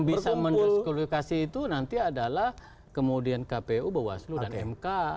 yang bisa mendiskulifikasi itu nanti adalah kemudian kpu bawaslu dan mk